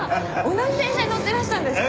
同じ電車に乗ってらしたんですか？